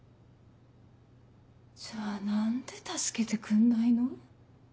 じゃあ何で助けてくんないの？